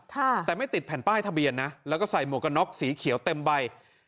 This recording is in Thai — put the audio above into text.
แต่ไม่ติดแผ่นป้ายทะเบียนนะแล้วก็ใส่หมวกกันน็อกสีเขียวเต็มใบ